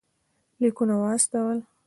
لیکونه واستول.